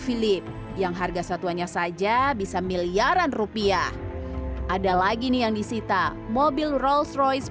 philip yang harga satuannya saja bisa miliaran rupiah ada lagi nih yang disita mobil rolls royce